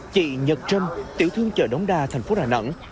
chị nhật trâm tiểu thương chợ đống đa tp đà nẵng